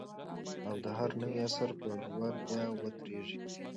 او د هر نوي عصر پر ور بیا ودرېږي